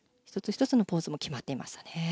１つ１つのポーズも決まっていましたね。